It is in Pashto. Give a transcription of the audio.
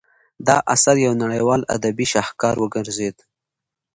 دا اثر یو نړیوال ادبي شاهکار وګرځید.